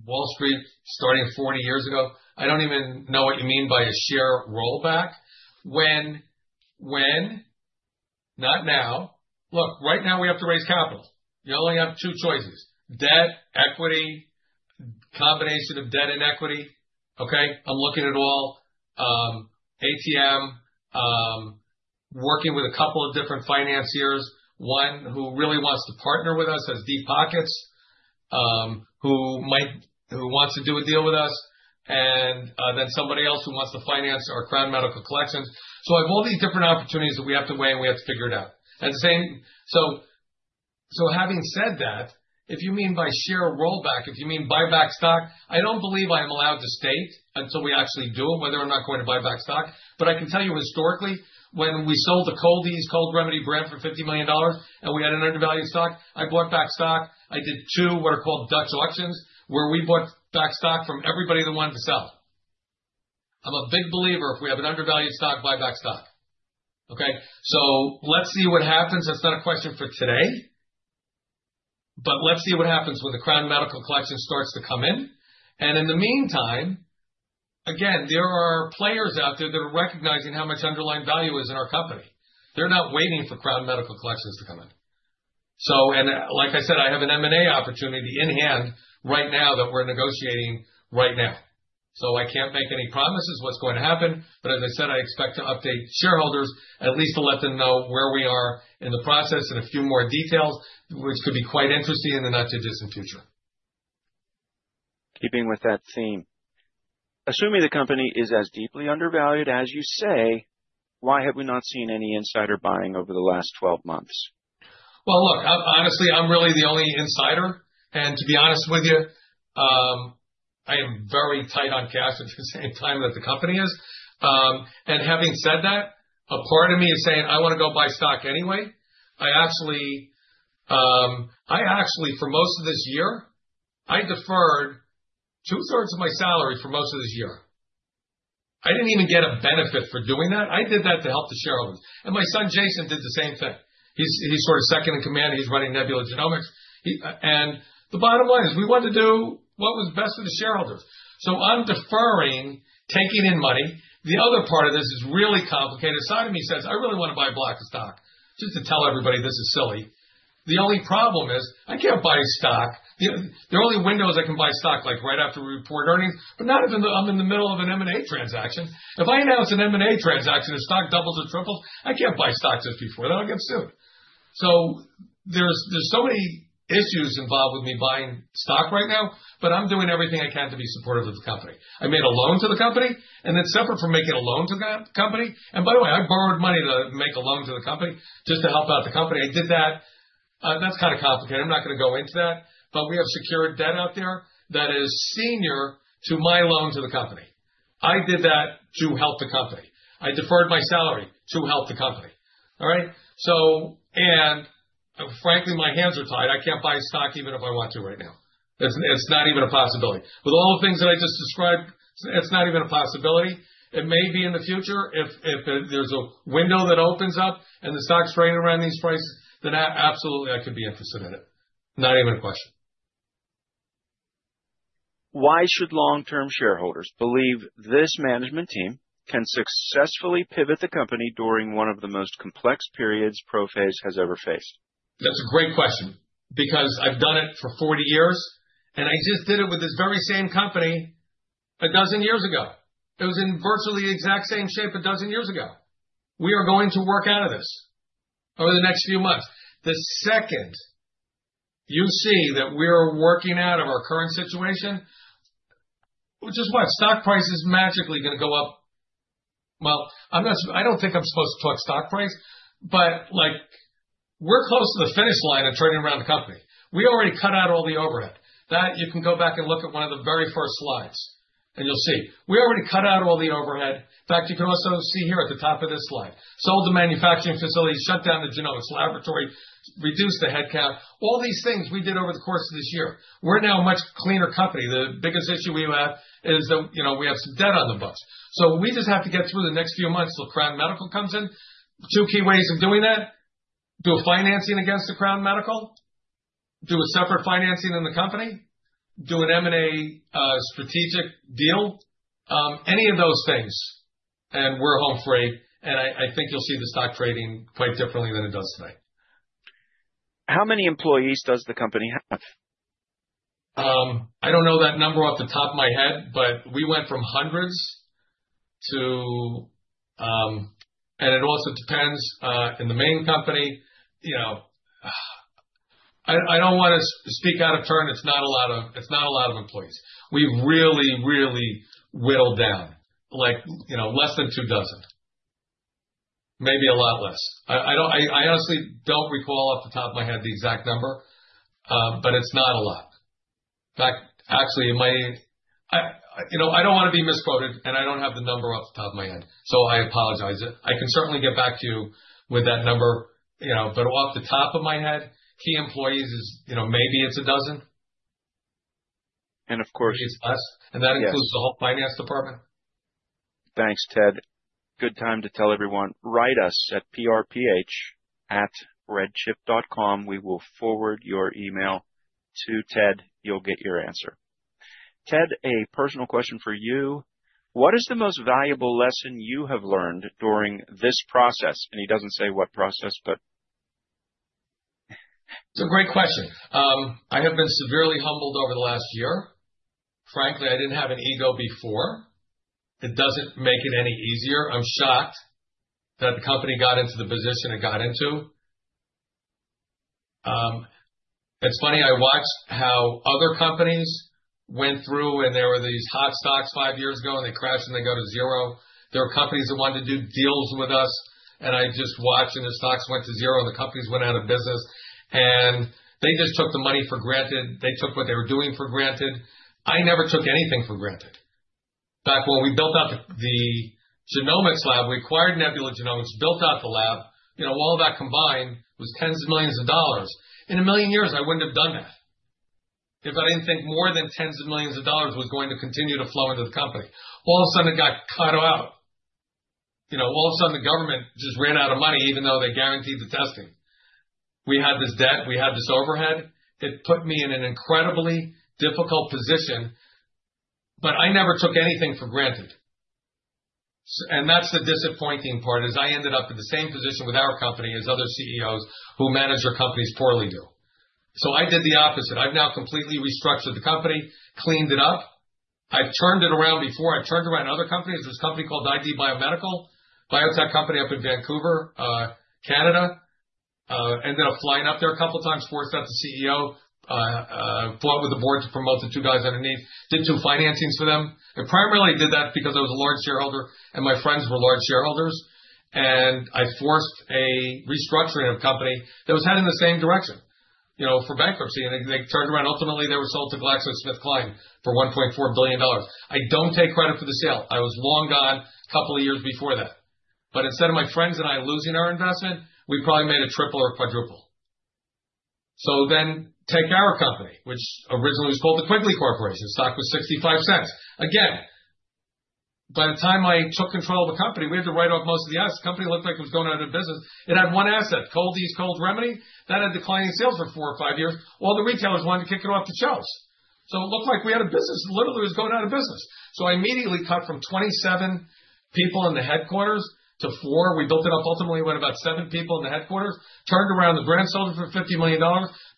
Wall Street starting 40 years ago. I don't even know what you mean by a share rollback. When, not now. Look, right now we have to raise capital. You only have two choices: debt, equity, combination of debt and equity. Okay, I'm looking at all ATM, working with a couple of different financiers. One who really wants to partner with us has deep pockets, who might, who wants to do a deal with us, and then somebody else who wants to finance our Crown Medical Collections. I have all these different opportunities that we have to weigh and we have to figure it out. Having said that, if you mean by share rollback, if you mean buy back stock, I don't believe I am allowed to state until we actually do it whether or not I'm going to buy back stock. I can tell you historically, when we sold the Cold-EEZE Cold Remedy brand for $50 million and we had an undervalued stock, I bought back stock. I did two what are called Dutch auctions where we bought back stock from everybody that wanted to sell. I'm a big believer if we have an undervalued stock, buy back stock. Okay, let's see what happens. That's not a question for today, but let's see what happens when the Crown Medical Collection starts to come in. In the meantime, again, there are players out there that are recognizing how much underlying value is in our company. They're not waiting for Crown Medical Collections to come in. Like I said, I have an M&A opportunity in hand right now that we're negotiating right now. I can't make any promises what's going to happen, but as I said, I expect to update shareholders at least to let them know where we are in the process and a few more details, which could be quite interesting in the not too distant future. Keeping with that theme, assuming the company is as deeply undervalued as you say, why have we not seen any insider buying over the last twelve months? Honestly, I'm really the only insider. To be honest with you, I am very tight on cash at the same time that the company is. Having said that, a part of me is saying, I want to go buy stock anyway. I actually, for most of this year, deferred two-thirds of my salary for most of this year. I didn't even get a benefit for doing that. I did that to help the shareholders. My son Jason did the same thing. He's sort of second in command. He's running Nebula Genomics. The bottom line is we want to do what was best for the shareholders. I'm deferring taking in money. The other part of this is really complicated. A side of me says, I really want to buy a block of stock just to tell everybody this is silly. The only problem is I can't buy stock. The only windows I can buy stock, like right after we report earnings, but not even though I'm in the middle of an M&A transaction. If I announce an M&A transaction, if stock doubles or triples, I can't buy stock just before that. I'll get sued. There are so many issues involved with me buying stock right now, but I'm doing everything I can to be supportive of the company. I made a loan to the company, and it's separate from making a loan to the company. By the way, I borrowed money to make a loan to the company just to help out the company. I did that. That's kind of complicated. I'm not going to go into that, but we have secured debt out there that is senior to my loan to the company. I did that to help the company. I deferred my salary to help the company. Frankly, my hands are tied. I can't buy stock even if I want to right now. It's not even a possibility. With all the things that I just described, it's not even a possibility. It may be in the future if there's a window that opens up and the stock's trading around these prices, then absolutely I could be interested in it. Not even a question. Why should long-term shareholders believe this management team can successfully pivot the company during one of the most complex periods ProPhase Labs has ever faced? That's a great question because I've done it for 40 years, and I just did it with this very same company a dozen years ago. It was in virtually the exact same shape a dozen years ago. We are going to work out of this over the next few months. The second you see that we're working out of our current situation, which is what stock price is magically going to go up. I'm not, I don't think I'm supposed to talk stock price, but like we're close to the finish line of turning around the company. We already cut out all the overhead. You can go back and look at one of the very first slides and you'll see. We already cut out all the overhead. In fact, you can also see here at the top of this slide, sold the manufacturing facilities, shut down the genomics laboratory, reduced the headcount, all these things we did over the course of this year. We're now a much cleaner company. The biggest issue we have is that, you know, we have some debt on the books. We just have to get through the next few months till Crown Medical comes in. Two key ways of doing that: do financing against the Crown Medical, do a separate financing in the company, do an M&A strategic deal, any of those things, and we're home free. I think you'll see the stock trading quite differently than it does today. How many employees does the company have? I don't know that number off the top of my head, but we went from hundreds to, and it also depends in the main company. You know, I don't want to speak out of turn. It's not a lot of, it's not a lot of employees. We really, really whittled down, like, you know, less than two dozen, maybe a lot less. I don't, I honestly don't recall off the top of my head the exact number, but it's not a lot. In fact, actually, in my, you know, I do not want to be misquoted and I do not have the number off the top of my head. I apologize. I can certainly get back to you with that number, you know, but off the top of my head, key employees is, you know, maybe it is a dozen. Of course, it is less. That includes the whole finance department. Thanks, Ted. Good time to tell everyone, write us at prph@redchip.com. We will forward your email to Ted. You will get your answer. Ted, a personal question for you. What is the most valuable lesson you have learned during this process? He does not say what process, but It is a great question. I have been severely humbled over the last year. Frankly, I did not have an ego before. It does not make it any easier. I'm shocked that the company got into the position it got into. It's funny, I watched how other companies went through and there were these hot stocks five years ago and they crash and they go to zero. There were companies that wanted to do deals with us and I just watched and the stocks went to zero and the companies went out of business and they just took the money for granted. They took what they were doing for granted. I never took anything for granted. Back when we built out the genomics lab, we acquired Nebula Genomics, built out the lab, you know, all of that combined was tens of millions of dollars. In a million years, I wouldn't have done that if I didn't think more than tens of millions of dollars was going to continue to flow into the company. All of a sudden, it got cut out. You know, all of a sudden, the government just ran out of money, even though they guaranteed the testing. We had this debt, we had this overhead. It put me in an incredibly difficult position, but I never took anything for granted. That's the disappointing part, is I ended up in the same position with our company as other CEOs who manage their companies poorly do. I did the opposite. I've now completely restructured the company, cleaned it up. I've turned it around before. I turned around other companies. There's a company called ID Biomedical, biotech company up in Vancouver, Canada. Ended up flying up there a couple of times, forced out the CEO, fought with the board to promote the two guys underneath, did two financings for them. I primarily did that because I was a large shareholder and my friends were large shareholders. I forced a restructuring of a company that was heading the same direction, you know, for bankruptcy. They turned around. Ultimately, they were sold to GlaxoSmithKline for $1.4 billion. I do not take credit for the sale. I was long gone a couple of years before that. Instead of my friends and I losing our investment, we probably made a triple or quadruple. Take our company, which originally was called the Quigley Corporation. Stock was $0.65. By the time I took control of a company, we had to write off most of the assets. The company looked like it was going out of business. It had one asset, Cold-EEZE Cold Remedy, that had declining sales for four or five years. All the retailers wanted to kick it off the shelves. It looked like we had a business that literally was going out of business. I immediately cut from 27 people in the headquarters to four. We built it up ultimately with about seven people in the headquarters, turned around the brand, sold it for $50 million,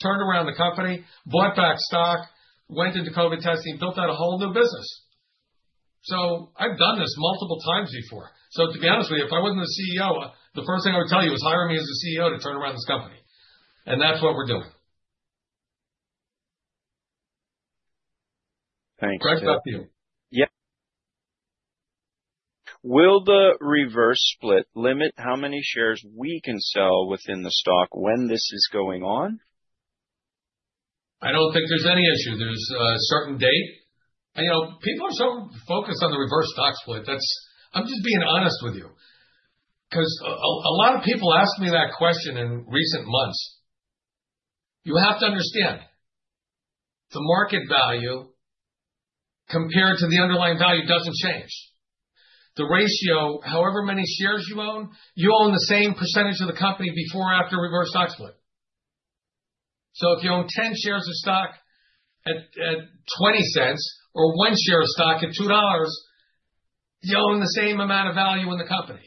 turned around the company, bought back stock, went into COVID testing, built out a whole new business. I have done this multiple times before. To be honest with you, if I was not the CEO, the first thing I would tell you is hire me as the CEO to turn around this company. That is what we are doing. Thanks. Craig, back to you. Yep. Will the reverse split limit how many shares we can sell within the stock when this is going on? I do not think there is any issue. There is a certain date. You know, people are so focused on the reverse stock split. That's, I'm just being honest with you. Because a lot of people ask me that question in recent months. You have to understand the market value compared to the underlying value doesn't change. The ratio, however many shares you own, you own the same percentage of the company before or after reverse stock split. If you own 10 shares of stock at $0.20 or one share of stock at $2, you own the same amount of value in the company.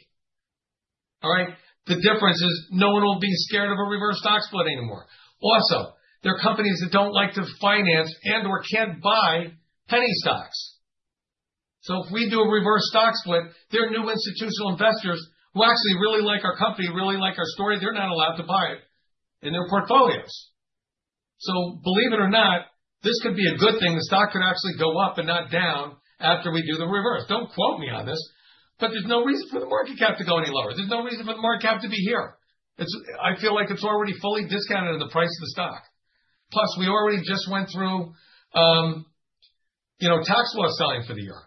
All right. The difference is no one will be scared of a reverse stock split anymore. Also, there are companies that don't like to finance and/or can't buy penny stocks. If we do a reverse stock split, there are new institutional investors who actually really like our company, really like our story. They're not allowed to buy it in their portfolios. So believe it or not, this could be a good thing. The stock could actually go up and not down after we do the reverse. Don't quote me on this, but there's no reason for the market cap to go any lower. There's no reason for the market cap to be here. I feel like it's already fully discounted in the price of the stock. Plus, we already just went through, you know, tax loss selling for the year.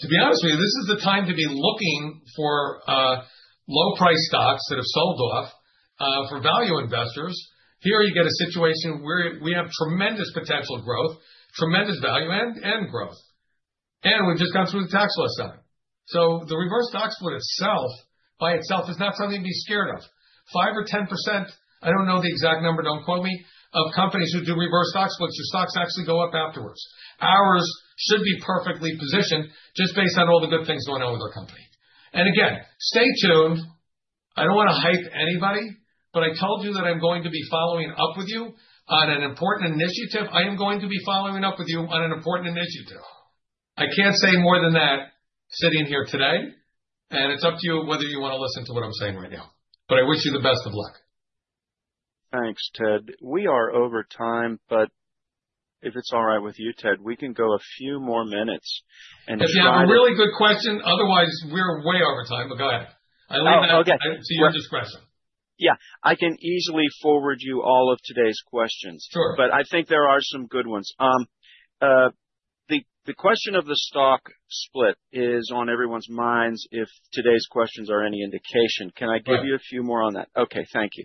To be honest with you, this is the time to be looking for low-priced stocks that have sold off for value investors. Here you get a situation where we have tremendous potential growth, tremendous value and growth. We've just gone through the tax loss selling. The reverse stock split itself by itself is not something to be scared of. Five or 10%, I don't know the exact number, don't quote me, of companies who do reverse stock splits, your stocks actually go up afterwards. Ours should be perfectly positioned just based on all the good things going on with our company. Again, stay tuned. I don't want to hype anybody, but I told you that I'm going to be following up with you on an important initiative. I am going to be following up with you on an important initiative. I can't say more than that sitting here today. It is up to you whether you want to listen to what I'm saying right now. I wish you the best of luck. Thanks, Ted. We are over time, but if it's all right with you, Ted, we can go a few more minutes. If you have a really good question, otherwise we're way over time, but go ahead. I leave that to your discretion. Yeah. I can easily forward you all of today's questions. Sure. I think there are some good ones. The question of the stock split is on everyone's minds if today's questions are any indication. Can I give you a few more on that? Okay. Thank you.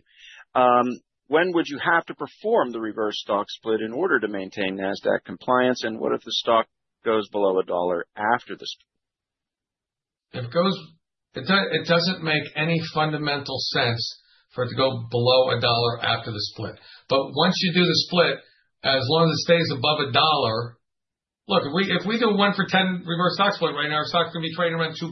When would you have to perform the reverse stock split in order to maintain Nasdaq compliance? What if the stock goes below a dollar after the split? If it goes, it doesn't make any fundamental sense for it to go below a dollar after the split. Once you do the split, as long as it stays above a dollar, look, if we do a one for ten reverse stock split right now, our stock's going to be trading around $2.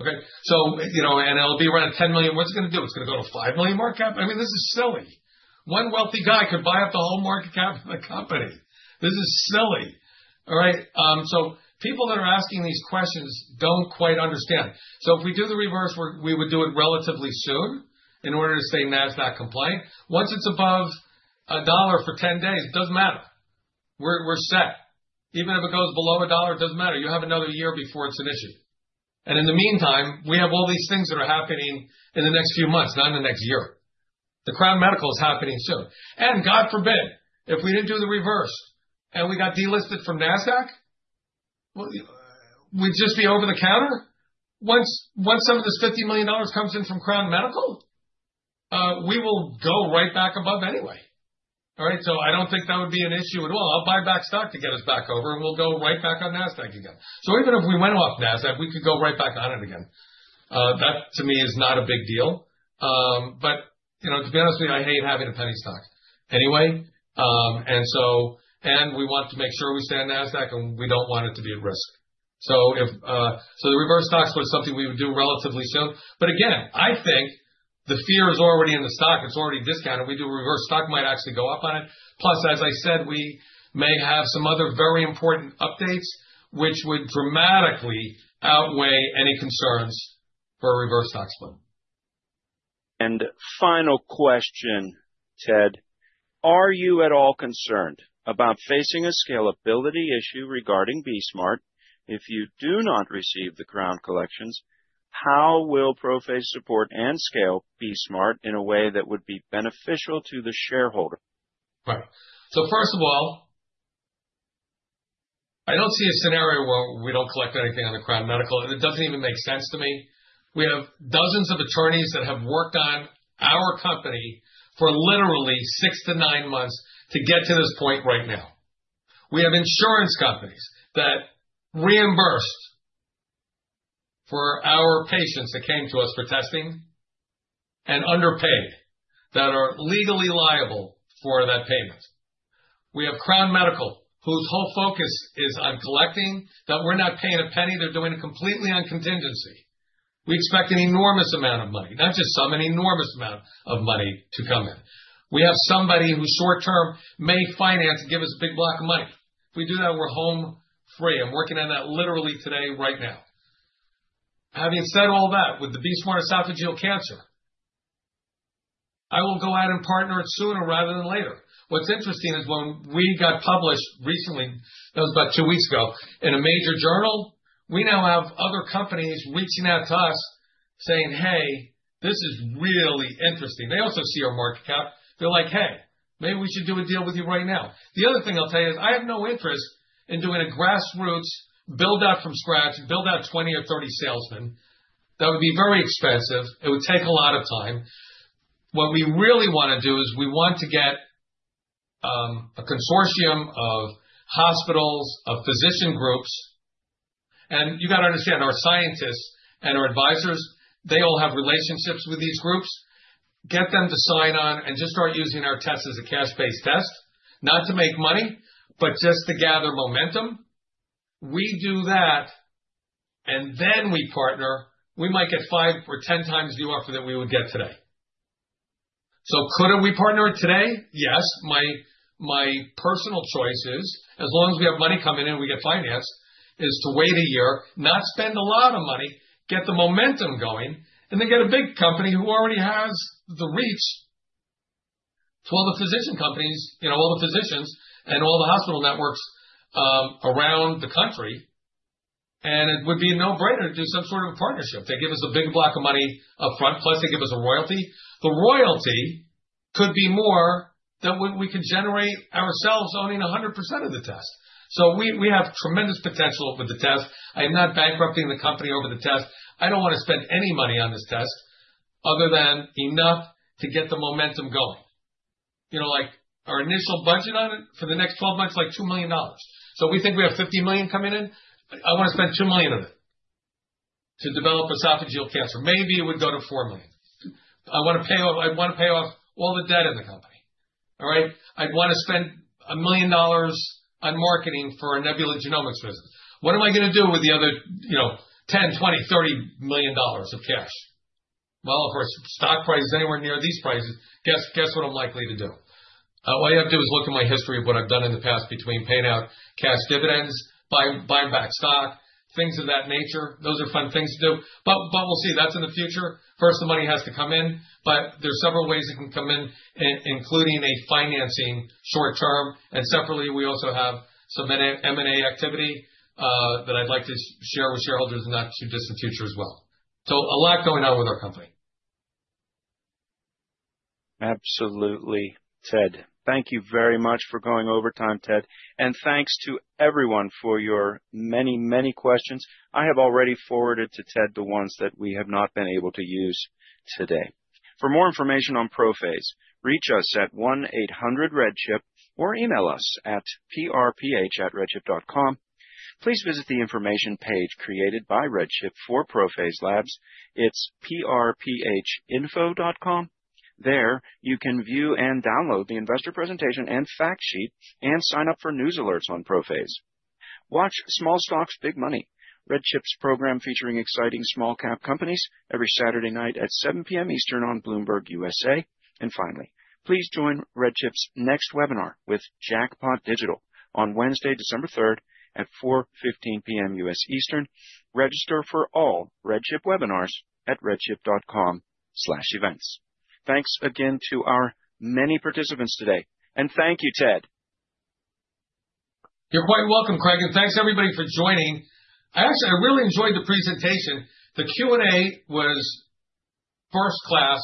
Okay. You know, and it'll be around $10 million. What's it going to do? It's going to go to a $5 million market cap. I mean, this is silly. One wealthy guy could buy up the whole market cap of the company. This is silly. All right. People that are asking these questions don't quite understand. If we do the reverse, we would do it relatively soon in order to stay Nasdaq compliant. Once it's above a dollar for 10 days, it doesn't matter. We're set. Even if it goes below a dollar, it doesn't matter. You have another year before it's an issue. In the meantime, we have all these things that are happening in the next few months, not in the next year. Crown Medical is happening soon. God forbid, if we did not do the reverse and we got delisted from Nasdaq, we would just be over the counter. Once some of this $50 million comes in from Crown Medical, we will go right back above anyway. I do not think that would be an issue at all. I will buy back stock to get us back over and we will go right back on Nasdaq again. Even if we went off Nasdaq, we could go right back on it again. That, to me, is not a big deal. You know, to be honest with you, I hate having a penny stock anyway. We want to make sure we stay on Nasdaq and we don't want it to be at risk. If the reverse stock split is something we would do relatively soon. Again, I think the fear is already in the stock. It's already discounted. We do a reverse stock, might actually go up on it. Plus, as I said, we may have some other very important updates, which would dramatically outweigh any concerns for a reverse stock split. Final question, Ted, are you at all concerned about facing a scalability issue regarding BE-Smart? If you do not receive the Crown Medical Collections, how will ProPhase support and scale BE-Smart in a way that would be beneficial to the shareholder? Right. First of all, I don't see a scenario where we don't collect anything on the Crown Medical. It doesn't even make sense to me. We have dozens of attorneys that have worked on our company for literally six to nine months to get to this point right now. We have insurance companies that reimbursed for our patients that came to us for testing and underpaid that are legally liable for that payment. We have Crown Medical whose whole focus is on collecting that. We're not paying a penny. They're doing it completely on contingency. We expect an enormous amount of money, not just some, an enormous amount of money to come in. We have somebody who short-term may finance and give us a big block of money. If we do that, we're home free. I'm working on that literally today, right now. Having said all that, with the BE-Smart esophageal cancer, I will go out and partner it sooner rather than later. What's interesting is when we got published recently, that was about two weeks ago in a major journal, we now have other companies reaching out to us saying, "Hey, this is really interesting." They also see our market cap. They're like, "Hey, maybe we should do a deal with you right now." The other thing I'll tell you is I have no interest in doing a grassroots build-out from scratch, build-out 20 or 30 salesmen. That would be very expensive. It would take a lot of time. What we really want to do is we want to get a consortium of hospitals, of physician groups. You got to understand our scientists and our advisors, they all have relationships with these groups. Get them to sign on and just start using our test as a cash-based test, not to make money, but just to gather momentum. We do that and then we partner. We might get five or ten times the offer that we would get today. Could we partner today? Yes. My personal choice is, as long as we have money coming in, we get financed, is to wait a year, not spend a lot of money, get the momentum going, and then get a big company who already has the reach to all the physician companies, you know, all the physicians and all the hospital networks around the country. It would be a no-brainer to do some sort of a partnership. They give us a big block of money upfront. Plus, they give us a royalty. The royalty could be more than what we can generate ourselves owning 100% of the test. We have tremendous potential with the test. I am not bankrupting the company over the test. I don't want to spend any money on this test other than enough to get the momentum going. You know, like our initial budget on it for the next 12 months, like $2 million. So we think we have $50 million coming in. I want to spend $2 million of it to develop esophageal cancer. Maybe it would go to $4 million. I want to pay off, I want to pay off all the debt in the company. All right. I'd want to spend $1 million on marketing for a Nebula Genomics business. What am I going to do with the other, you know, $10-$20-$30 million of cash? Of course, stock price is anywhere near these prices. Guess what I'm likely to do? All I have to do is look at my history of what I've done in the past between paying out cash dividends, buying back stock, things of that nature. Those are fun things to do. We'll see. That's in the future. First, the money has to come in. There are several ways it can come in, including a financing short term. Separately, we also have some M&A activity that I'd like to share with shareholders in the not too distant future as well. A lot going on with our company. Absolutely, Ted. Thank you very much for going over time, Ted. Thanks to everyone for your many, many questions. I have already forwarded to Ted the ones that we have not been able to use today. For more information on ProPhase, reach us at 1-800-REDCHIP or email us at prph@redchip.com. Please visit the information page created by RedChip for ProPhase Labs. It's prphinfo.com. There you can view and download the investor presentation and fact sheet and sign up for news alerts on ProPhase. Watch Small Stocks Big Money, RedChip's program featuring exciting small cap companies every Saturday night at 7:00 P.M. Eastern on Bloomberg, U.S.A. Finally, please join RedChip's next webinar with Jackpot Digital on Wednesday, December 3 at 4:15 P.M. U.S. Eastern. Register for all RedChip webinars at redchip.com/events. Thanks again to our many participants today. Thank you, Ted. You're quite welcome, Craig. Thanks everybody for joining. I actually, I really enjoyed the presentation. The Q&A was first class,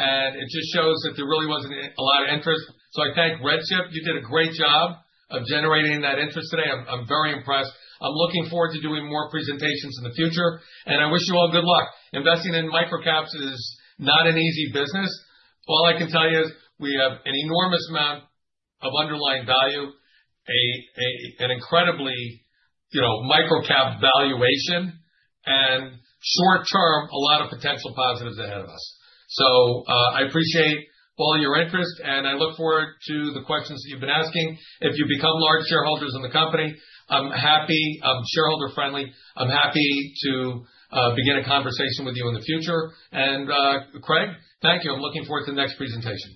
and it just shows that there really wasn't a lot of interest. I thank RedChip. You did a great job of generating that interest today. I'm very impressed. I'm looking forward to doing more presentations in the future. I wish you all good luck. Investing in microcaps is not an easy business. All I can tell you is we have an enormous amount of underlying value, an incredibly, you know, microcap valuation, and short term, a lot of potential positives ahead of us. I appreciate all your interest, and I look forward to the questions that you've been asking. If you become large shareholders in the company, I'm happy. I'm shareholder friendly. I'm happy to begin a conversation with you in the future. Craig, thank you. I'm looking forward to the next presentation.